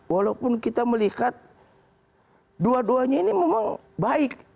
walaupun kita melihat dua duanya ini memang baik